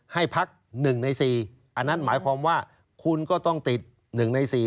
ให้พัก๑ใน๔อันนั้นหมายความว่าคุณก็ต้องติด๑ใน๔